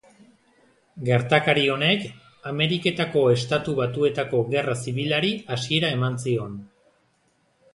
Gertakari honek Ameriketako Estatu Batuetako Gerra Zibilari hasiera eman zion.